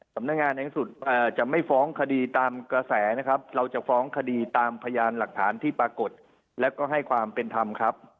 สำนักงานในที่สุดจะไม่ฟ้องคดีตามกระแสนะครับเราจะฟ้องคดีตามพยานหลักฐานที่ปรากฏแล้วก็ให้ความเป็นธรรมครับ